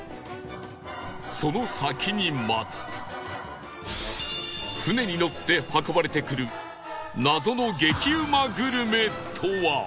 その先に待つ船にのって運ばれてくる謎の激うまグルメとは？